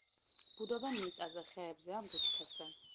ბუდობენ მიწაზე, ხეებზე ან ბუჩქებზე.